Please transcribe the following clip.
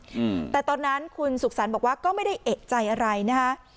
อืมแต่ตอนนั้นคุณสุขสรรค์บอกว่าก็ไม่ได้เอกใจอะไรนะคะ